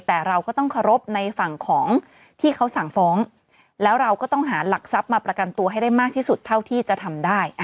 แต่เราก็ต้องเคารพในฝั่งของที่เขาสั่งฟ้องแล้วเราก็ต้องหาหลักทรัพย์มาประกันตัวให้ได้มากที่สุดเท่าที่จะทำได้